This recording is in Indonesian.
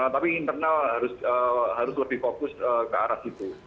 tapi internal harus lebih fokus ke arah situ